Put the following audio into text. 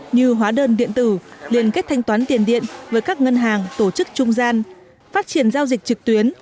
như hóa đơn điện tử liên kết thanh toán tiền điện với các ngân hàng tổ chức trung gian phát triển giao dịch trực tuyến